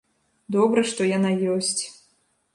Добра, што яна ёсць.